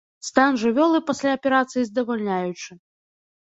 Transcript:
Стан жывёлы пасля аперацыі здавальняючы.